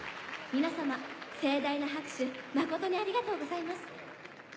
皆様盛大な拍手誠にありがとうございます。